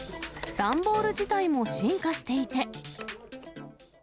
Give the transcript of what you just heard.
段ボール自体も進化していて。